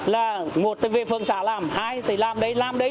là một là về phương xã làm hai là làm đấy làm đấy